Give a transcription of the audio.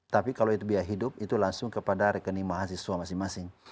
tapi kalau itu biaya hidup itu langsung kepada rekening mahasiswa masing masing